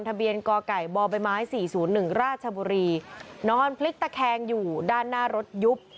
ทะเบียนค่ะพลิกตะแคงมีด้านหน้ารถยุบ